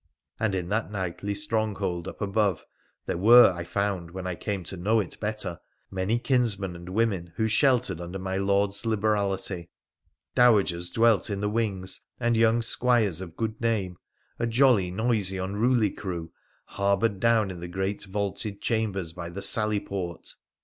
And in that knightly stronghold up above there were, I found when I came to know it better, many kinsmen and women who sheltered under my Lord's liberality. Dowagers dwelt in the wings, and young squires of good name — a jolly, noisy, unruly crew — harboured down in the great vaulted chambers by the sally port.